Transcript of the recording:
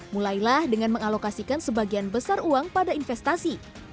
mulailah dengan mengalokasikan sebagian besar uang pada investasi